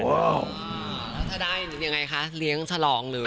แล้วถ้าได้ยังไงคะเลี้ยงฉลองเลย